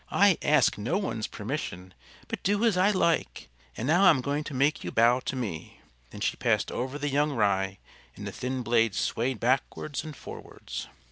"I ask no one's permission, but do as I like; and now I'm going to make you bow to me." Then she passed over the young Rye, and the thin blades swayed backwards and forwards.